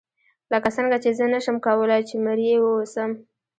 لکه څنګه چې زه نشم کولای چې مریی واوسم.